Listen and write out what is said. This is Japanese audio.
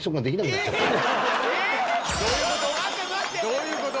どういうこと？